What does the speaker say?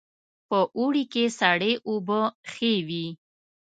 په اوړي کې سړې اوبه ښې وي